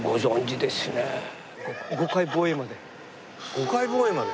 ５回防衛まで？